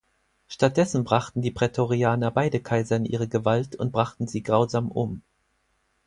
Stattdessen brachten die Prätorianer beide Kaiser in ihre Gewalt und brachten sie grausam um.